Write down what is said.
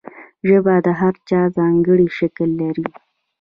ژبه د هر چا ځانګړی شکل لري.